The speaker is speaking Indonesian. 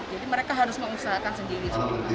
jadi mereka harus mengusahakan sendiri